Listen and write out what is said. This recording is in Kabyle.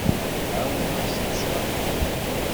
Tɛawen-aɣ s lecraha.